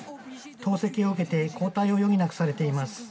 投石を受けて後退を余儀なくされています。